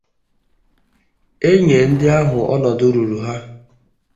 e nye ndị ahụ ọnọdụ ruru ha.